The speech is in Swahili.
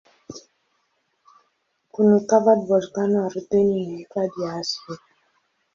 Kuni-covered volkeno ardhini ni hifadhi ya asili.